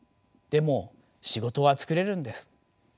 でも仕事は作れるんです。